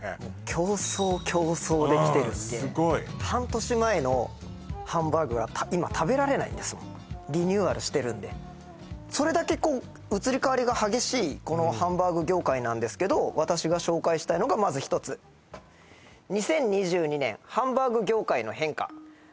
競争競争できてるんですごい半年前のハンバーグが今食べられないんですもんリニューアルしてるんでそれだけ移り変わりが激しいハンバーグ業界なんですけど私が紹介したいのがまず１つちょっとさやっぱ